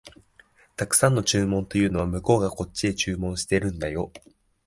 沢山の注文というのは、向こうがこっちへ注文してるんだよ